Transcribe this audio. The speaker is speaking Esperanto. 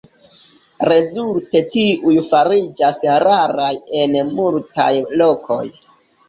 Rezulte tiuj fariĝas raraj en multaj lokoj.